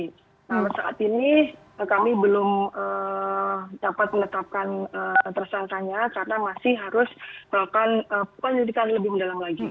nah saat ini kami belum dapat menetapkan tersangkanya karena masih harus melakukan penyelidikan lebih mendalam lagi